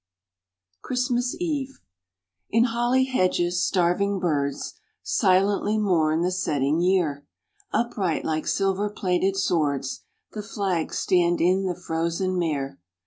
_ CHRISTMAS EVE In holly hedges starving birds Silently mourn the setting year; Upright like silver plated swords The flags stand in the frozen mere.